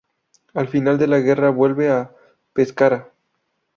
Al final de la guerra vuelve a Pescara.